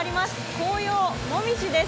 紅葉、もみじです。